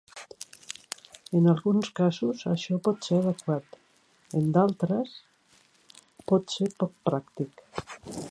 En alguns casos això pot ser adequat; en d'altres, pot ser poc pràctic.